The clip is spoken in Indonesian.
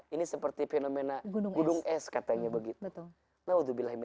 ini seperti fenomena gunung es katanya begitu